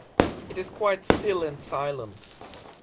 It is quite still and silent.